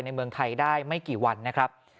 ในเมืองไทยได้ไม่กี่วันนะครับ